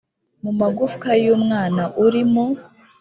mu magufwa y umwana uri mu